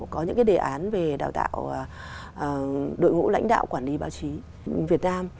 có những cái đề án về đào tạo đội ngũ lãnh đạo quản lý báo chí việt nam